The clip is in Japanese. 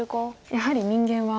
やはり人間は。